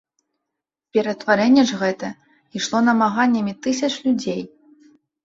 Ператварэнне ж гэта ішло намаганнямі тысяч людзей.